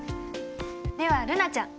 では瑠菜ちゃん。